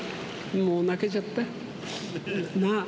もう泣けちゃった。